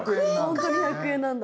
本当に１００円なんだ。